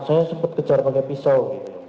saya sempat kejar pakai pisau